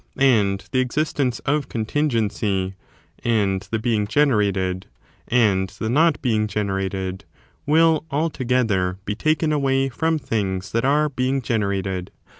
and the existence of contingency, and the being generated, and the not being generated, will altogether be taken away from things that are being generated.